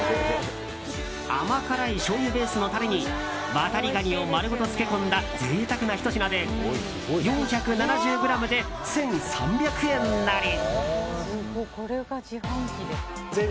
甘辛いしょうゆベースのタレにワタリガニを丸ごと漬け込んだ贅沢なひと品で４７０ｇで１３００円なり。